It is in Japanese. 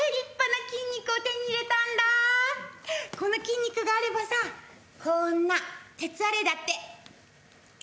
この筋肉があればさこーんな鉄アレイだって。